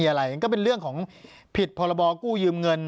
ปากกับภาคภูมิ